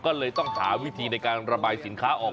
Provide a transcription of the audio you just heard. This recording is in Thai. ก็เลยต้องหาวิธีในการระบายสินค้าออก